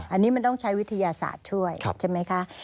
อันนี้มันต้องใช้วิทยาศาสตร์ช่วยใช่ไหมคะ